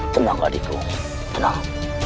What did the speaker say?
tenang adikku tenang